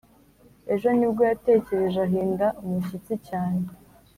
ejo ni bwo yatekereje ahinda umushyitsi cyane